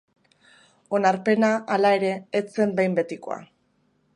Onarpena, hala ere, ez zen behin betikoa.